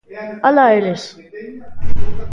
Alá eles.